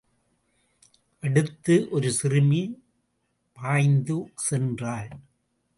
அடுத்து, ஒரு சிறுமி பாய்ந்து சென்றாள்.